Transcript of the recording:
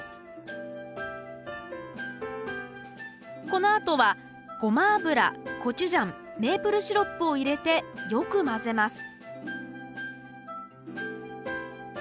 このあとはゴマ油コチュジャンメープルシロップを入れてよく混ぜます